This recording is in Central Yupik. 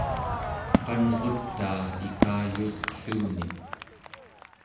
qanrutaa ikayuusqelluni